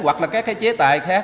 hoặc là các cái chế tài khác